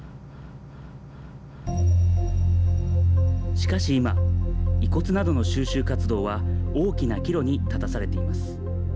しかし今、遺骨などの収集活動は大きな岐路に立たされています。